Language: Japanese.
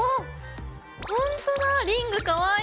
ほんとだリングかわいい！